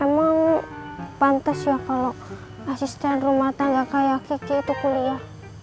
emang pantas ya kalau asisten rumah tangga kayak kiki itu kuliah